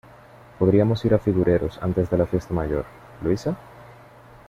Podríamos ir a Figureros antes de la fiesta mayor, ¿Luisa?